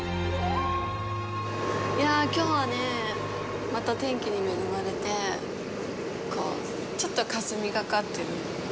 いや、きょうはねまた天気に恵まれてちょっとかすみがかってる。